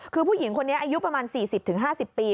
คือผู้หญิงคนนี้อายุประมาณ๔๐๕๐ปี